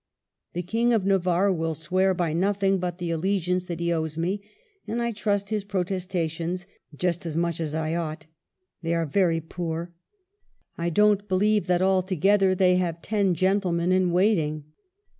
The King of Navarre will swear by noth ing but the allegiance that he owes me, and I trust his protestations just as much as I ought. ... They are very poor. I don't believe that altogether they have ten gentlemen in waiting.